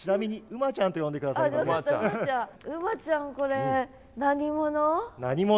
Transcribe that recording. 馬ちゃんこれ何者？